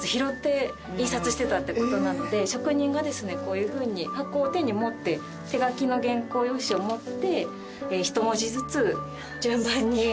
職人がですねこういうふうに箱を手に持って手書きの原稿用紙を持って１文字ずつ順番にこのように。